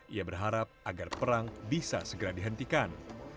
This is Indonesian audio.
ia berharap agar perang bisa segera dihentikan